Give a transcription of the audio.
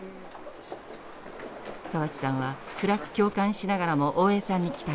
澤地さんは暗く共感しながらも大江さんに期待します。